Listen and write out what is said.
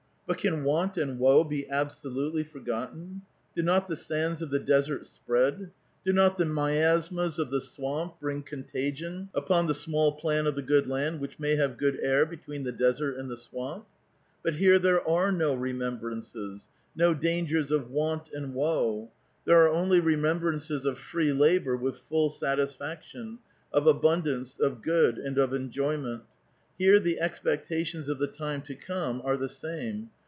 But can want and woe be absolutely forgotten? Do not the sands of the desert spread ? Do not the miasmas of the swamp bring contagion VL\fo\\ the small plan of the good land which may have good air between the desert and the swamp? But here there are no remembrances, no dangers of want and woe ; there are only remembrances of free labor with full satisfaction, of abundance, of good, and of enjoyment. Here the exj^ctations of the time to come are the same.